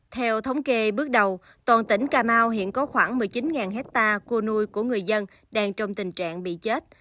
theo thống kê bước đầu toàn tỉnh cà mau hiện có khoảng một mươi chín hectare cua nuôi của người dân đang trong tình trạng bị chết